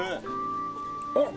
あっ！